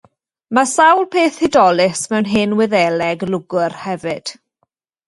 Mae sawl peth hudolus mewn Hen Wyddeleg lwgr hefyd.